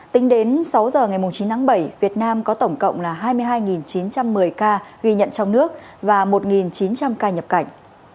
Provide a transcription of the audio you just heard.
tính đến sáu giờ ngày chín tháng bảy việt nam có tổng cộng là hai mươi hai chín trăm một mươi ca ghi nhận trong nước và một chín trăm linh ca nhập cảnh